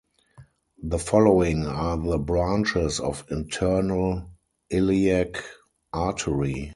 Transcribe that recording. The following are the branches of internal iliac artery.